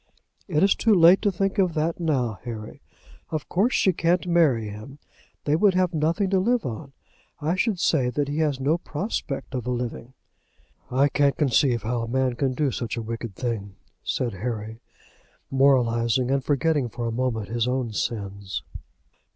"It's too late to think of that now, Harry. Of course she can't marry him. They would have nothing to live on. I should say that he has no prospect of a living." "I can't conceive how a man can do such a wicked thing," said Harry, moralizing, and forgetting for a moment his own sins.